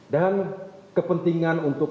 dan kepentingan untuk